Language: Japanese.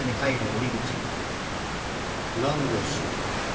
何でしょう？